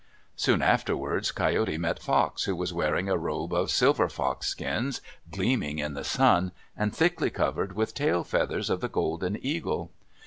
Soon afterward Coyote met Fox who was wearing a robe of silver fox skins, gleaming in the sun, and thickly covered with tail feathers of the golden eagle.